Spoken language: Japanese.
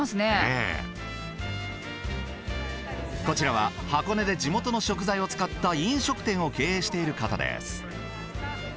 こちらは箱根で地元の食材を使った飲食店を経営している方です。